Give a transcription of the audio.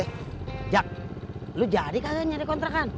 ejak lo jadi kagaknya nyari kontrakan